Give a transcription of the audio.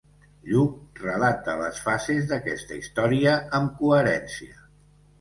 Lluc relata les fases d’aquesta història amb coherència.